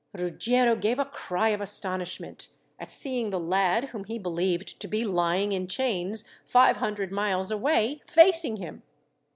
Ruggiero gave a cry of astonishment, at seeing the lad whom he believed to be lying in chains, five hundred miles away, facing him.